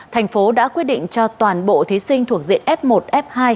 thành phố đã quyết định cho toàn bộ thí sinh thuộc diện f một f hai